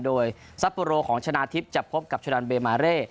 โดยซัปโปโรของชนะทิพย์จะพบกับชะดันเบมาเร่